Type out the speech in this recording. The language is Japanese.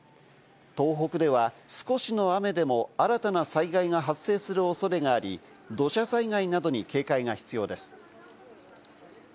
東北では少しの雨でも新たな災害が発生する恐れがあり、土砂災害などに警戒が必要です。